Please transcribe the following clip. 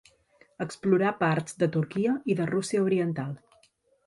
Explorà parts de Turquia i de Rússia oriental.